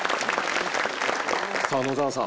さあ野沢さん。